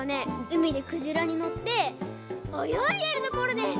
うみでくじらにのっておよいでるところです！